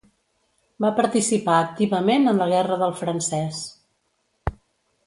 Va participar activament en la guerra del francès.